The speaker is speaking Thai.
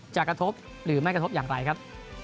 กระทบหรือไม่กระทบอย่างไรครับ